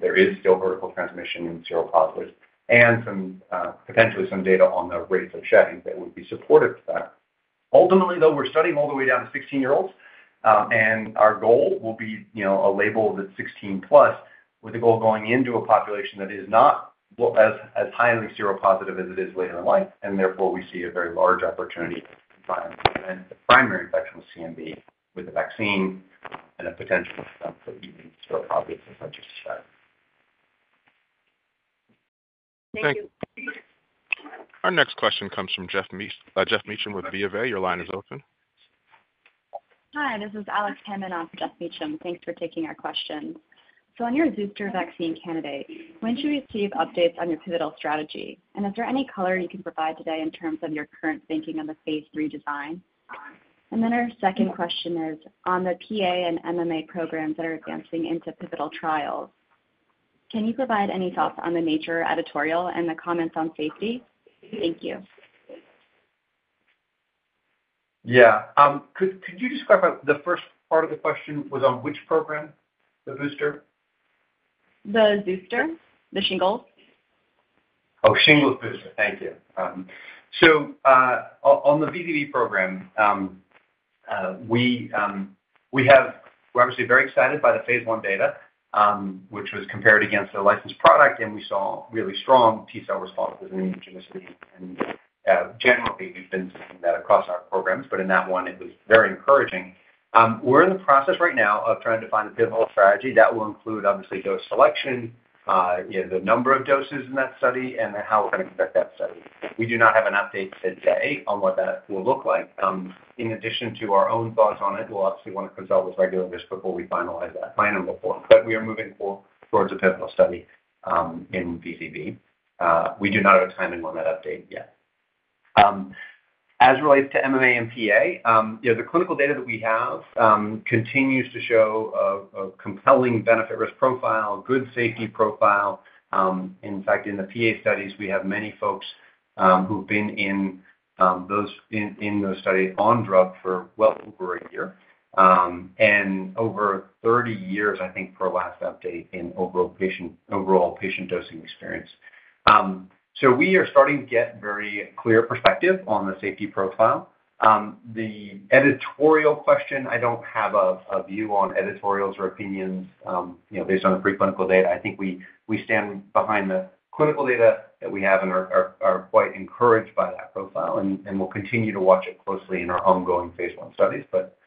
there is still vertical transmission in seropositive, and some potentially some data on the rates of shedding that would be supportive to that. Ultimately, though, we're studying all the way down to 16-year-olds. And our goal will be, you know, a label that's 16+, with a goal of going into a population that is not as highly seropositive as it is later in life, and therefore, we see a very large opportunity to prevent primary infection with CMV, with a vaccine and a potential for seropositive, as I just said. Thank you. Our next question comes from Geoff Meacham with BofA. Your line is open. Hi, this is Alec Stranahan on for Geoff Meacham. Thanks for taking our questions. So on your Zoster vaccine candidate, when should we receive updates on your pivotal strategy? And is there any color you can provide today in terms of your current thinking on the phase III design? And then our second question is on the PA and MMA programs that are advancing into pivotal trials, can you provide any thoughts on the Nature editorial and the comments on safety? Thank you. Yeah, could you just clarify, the first part of the question was on which program? The booster? The Zoster, the shingles. Shingles booster. Thank you. So, on the VZV program, we're obviously very excited by the phase I data, which was compared against a licensed product, and we saw really strong T-cell responses in immunogenicity. And, generally, we've been seeing that across our programs, but in that one, it was very encouraging. We're in the process right now of trying to find a pivotal strategy that will include, obviously, dose selection, you know, the number of doses in that study and then how we're going to conduct that study. We do not have an update today on what that will look like. In addition to our own thoughts on it, we'll obviously want to consult with regulators before we finalize that final report. But we are moving forward towards a pivotal study in VZV. We do not have a timeline on that update yet. As it relates to MMA and PA, you know, the clinical data that we have continues to show a compelling benefit-risk profile, good safety profile. In fact, in the PA studies, we have many folks who've been in those studies on drug for well over a year, and over 30 years, I think, per last update in overall patient dosing experience. So we are starting to get very clear perspective on the safety profile. The editorial question, I don't have a view on editorials or opinions, you reading on the preclinical data. I think we stand behind the clinical data that we have and are quite encouraged by that profile, and we'll continue to watch it closely in our ongoing phase I studies. But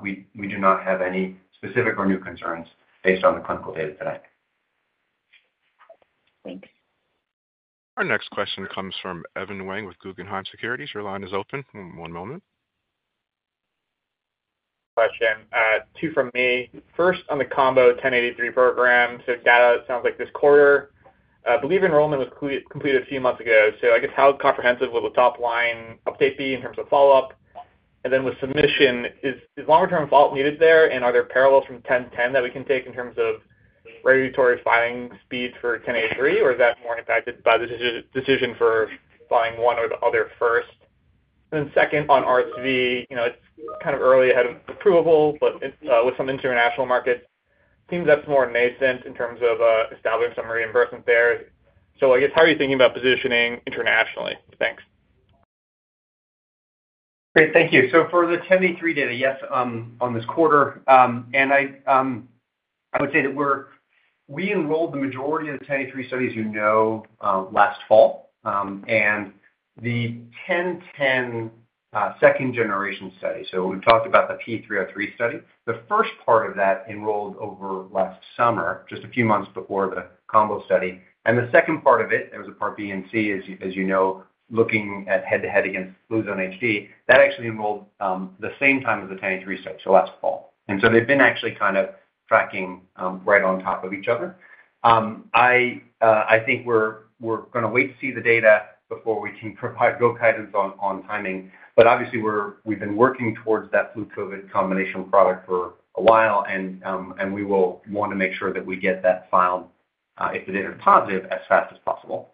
we do not have any specific or new concerns based on the clinical data today. Thanks. Our next question comes from Evan Wang with Guggenheim Securities. Your line is open. One moment. Question two from me. First, on the combo 1083 program, so data sounds like this quarter. I believe enrollment was completed a few months ago, so I guess, how comprehensive will the top line update be in terms of follow-up? And then with submission, is longer-term follow-up needed there, and are there parallels from 1010 that we can take in terms of regulatory filing speeds for 1083, or is that more impacted by the decision for filing one or the other first? And second, on RSV, you know, it's kind of early ahead of approvable, but with some international markets, seems that's more nascent in terms of establishing some reimbursement there. So I guess, how are you thinking about positioning internationally? Thanks. Great. Thank you. So for the 1083 data, yes, on this quarter, and I would say that we enrolled the majority of the 1083 studies you know, last fall, and the 1010 second generation study. So we've talked about the P303 study. The first part of that enrolled over last summer, just a few months before the combo study. And the second part of it, there was a part B and C, as you, as you know, looking at head-to-head against Fluzone HD, that actually enrolled the same time as the 1083 study, so last fall. And so they've been actually kind of tracking right on top of each other. I think we're gonna wait to see the data before we can provide guidance on timing, but obviously, we've been working towards that flu COVID combination product for a while, and we will want to make sure that we get that filed, if the data is positive, as fast as possible.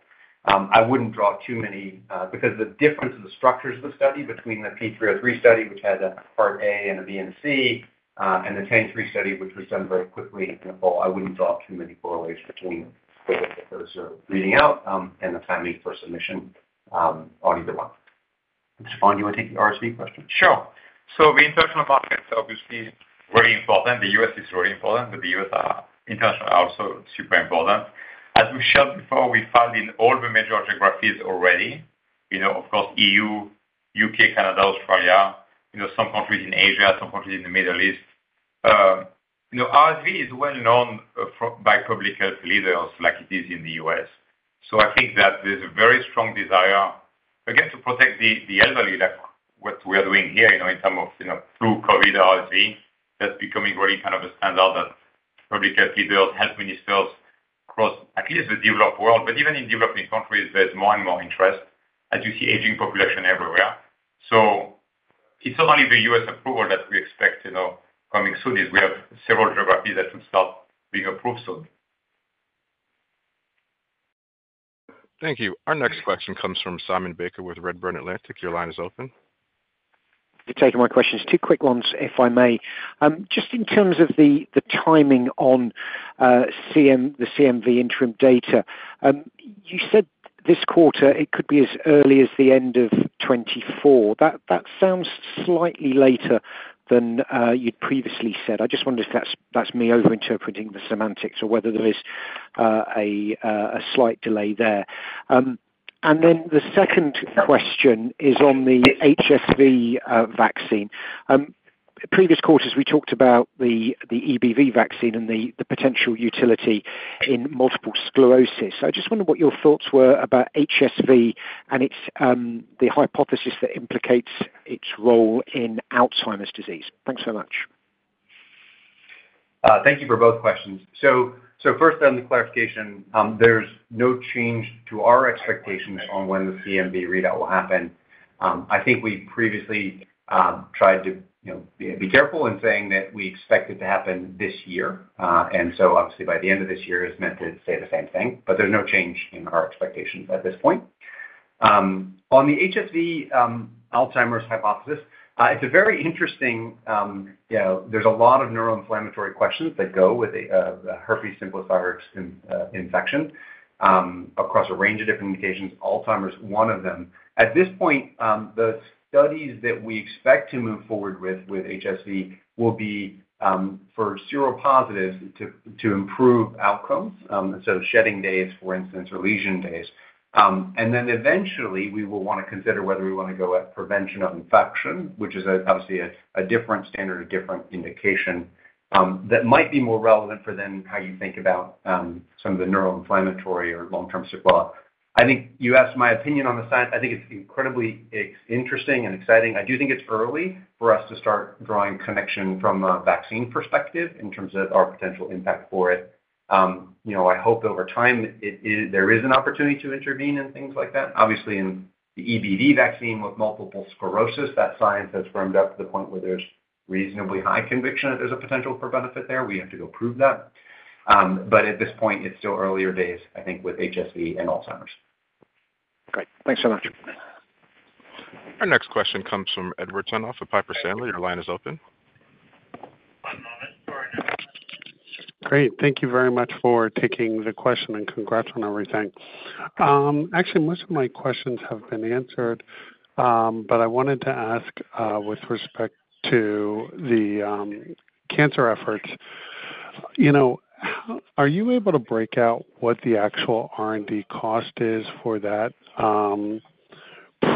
I wouldn't draw too many because the difference in the structures of the study between the P303 study, which had a part A, and a B and C, and the 1083 study, which was done very quickly and well, I wouldn't draw too many correlations between those reading out, and the timing for submission on either one. Stéphane, do you want to take the RSV question? Sure. So the international markets are obviously very important. The U.S. is very important, but the U.S., international are also super important. As we've shown before, we filed in all the major geographies already, you know, of course, E.U., U.K., Canada, Australia, you know, some countries in Asia, some countries in the Middle East. You know, RSV is well known for by public health leaders like it is in the U.S. So I think that there's a very strong desire, again, to protect the, the elderly, like what we are doing here, you know, in terms of, you know, through COVID, RSV, that's becoming really kind of a standard that public health leaders, health ministers across at least the developed world, but even in developing countries, there's more and more interest as you see aging population everywhere. So it's not only the U.S. approval that we expect, you know, coming soon, is we have several geographies that should start being approved soon. Thank you. Our next question comes from Simon Baker with Redburn Atlantic. Your line is open. For taking my questions. 2 quick ones, if I may. Just in terms of the, the timing on, CMV, the CMV interim data, you said this quarter it could be as early as the end of 2024. That, that sounds slightly later than, you'd previously said. I just wondered if that's, that's me overinterpreting the semantics or whether there is, a, a slight delay there. And then the second question is on the HSV, vaccine. Previous quarters, we talked about the, the EBV vaccine and the, the potential utility in multiple sclerosis. So I just wonder what your thoughts were about HSV and its, the hypothesis that implicates its role in Alzheimer's disease. Thanks so much. Thank you for both questions. So first, on the clarification, there's no change to our expectations on when the CMV readout will happen. I think we previously tried to, you know, be careful in saying that we expect it to happen this year. And so obviously by the end of this year is meant to say the same thing, but there's no change in our expectations at this point. On the HSV, Alzheimer's hypothesis, it's a very interesting. You know, there's a lot of neuroinflammatory questions that go with a herpes simplex virus infection across a range of different indications, Alzheimer's one of them. At this point, the studies that we expect to move forward with, with HSV, will be, for seropositive to, to improve outcomes, so shedding days, for instance, or lesion days. And then eventually, we will want to consider whether we want to go at prevention of infection, which is obviously a, a different standard, a different indication, that might be more relevant for then how you think about, some of the neuroinflammatory or long-term sequelae. I think you asked my opinion on the science. I think it's incredibly interesting and exciting. I do think it's early for us to start drawing connection from a vaccine perspective in terms of our potential impact for it. You know, I hope over time, there is an opportunity to intervene in things like that. Obviously, in the EBV vaccine with multiple sclerosis, that science has firmed up to the point where there's reasonably high conviction that there's a potential for benefit there. We have to go prove that, but at this point, it's still earlier days, I think, with HSV and Alzheimer's. Great. Thanks so much. Our next question comes from Edward Tenthoff of Piper Sandler. Your line is open. One moment for our next- Great. Thank you very much for taking the question, and congrats on everything. Actually, most of my questions have been answered, but I wanted to ask, with respect to the cancer efforts, you know, how are you able to break out what the actual R&D cost is for that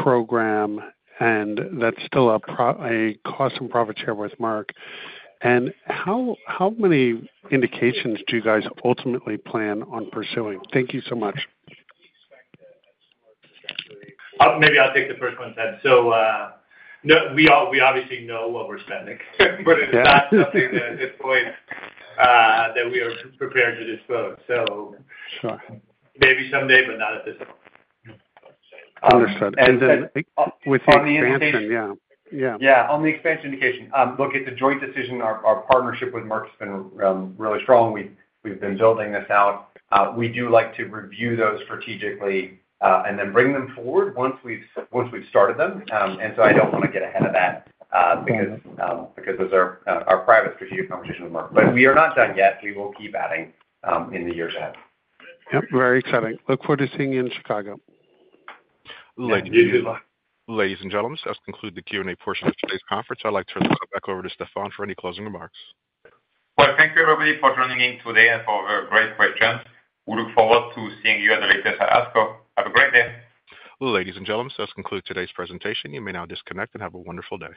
program? And that's still a cost and profit share with Merck. And how many indications do you guys ultimately plan on pursuing? Thank you so much. Maybe I'll take the first one, Ted. So, no, we obviously know what we're spending, but it's not something that at this point, that we are prepared to disclose. So- Sure. Maybe someday, but not at this point. Understood. And then with the expansion- On the indication- Yeah. Yeah. Yeah, on the expansion indication, look, it's a joint decision. Our partnership with Merck has been really strong. We've been building this out. We do like to review those strategically, and then bring them forward once we've started them. And so I don't want to get ahead of that- ... because those are private strategic conversations with Merck. But we are not done yet. We will keep adding in the years ahead. Yep, very exciting. Look forward to seeing you in Chicago. Thank you. Ladies and gentlemen, this concludes the Q&A portion of today's conference. I'd like to turn it back over to Stéphane for any closing remarks. Well, thank you, everybody, for joining in today and for your great questions. We look forward to seeing you at the latest at ASCO. Have a great day! Ladies and gentlemen, this concludes today's presentation. You may now disconnect and have a wonderful day.